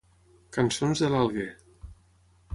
Cançons de l'Alguer.